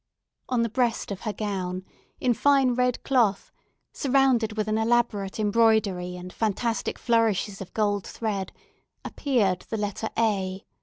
On the breast of her gown, in fine red cloth, surrounded with an elaborate embroidery and fantastic flourishes of gold thread, appeared the letter A.